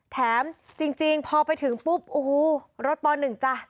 แถมจริงพอไปถึงปุ๊บโอ้โหรถป๑จ้ะ